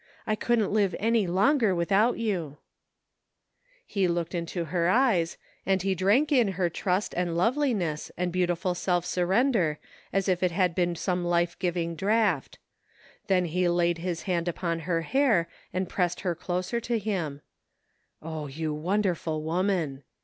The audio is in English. I couldn't live any longer without you !" He looked into her eyes, and he drank in her trust and loveliness, and beautiful self surrender as if it had been some life giving draught; then he laid his hand upon her hair and pressed her closer to hint " Oh, you wonderful woman